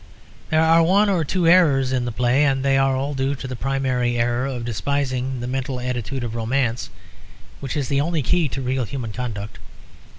There are one or two errors in the play; and they are all due to the primary error of despising the mental attitude of romance, which is the only key to real human conduct.